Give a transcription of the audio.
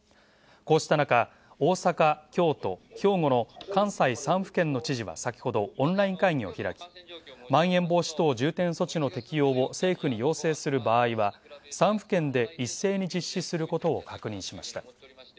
こうした中、大阪、京都、兵庫の関西３府県の知事は先ほどオンライン会議を開き、まん延防止等重点措置の適用を政府に要請する場合は３府県で一斉に実施することを確認しました。